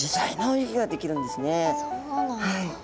そうなんだ。